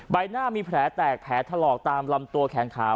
ใบหน้ามีแผลแตกแผลถลอกตามลำตัวแขนขาว